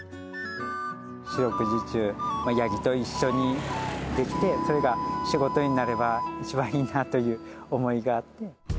四六時中、ヤギと一緒にできて、それが仕事になれば一番いいなという思いがあって。